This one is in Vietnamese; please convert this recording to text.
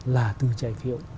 là từ trái phiếu